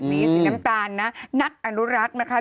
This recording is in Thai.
มีสีน้ำตาลนะนักอนุรักษ์นะคะ